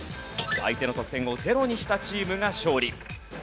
相手の得点を０にしたチームが勝利。